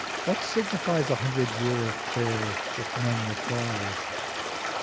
What signifies A hundred Years of Prayer if none replies?"'